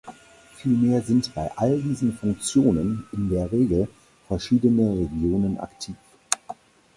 Vielmehr sind bei all diesen Funktionen in der Regel verschiedene Regionen aktiv.